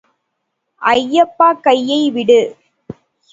ஐயப்பா கையை விடு.